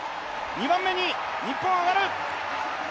２番目に日本、上がる！